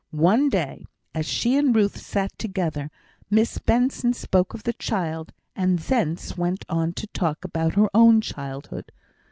One day as she and Ruth sat together, Miss Benson spoke of the child, and thence went on to talk about her own childhood.